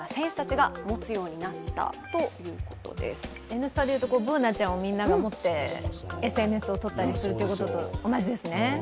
「Ｎスタ」でいうとＢｏｏｎａちゃんがみんなで持ってＳＮＳを撮ったりするのと同じですね。